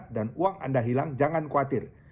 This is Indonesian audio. dan uang anda hilang jangan khawatir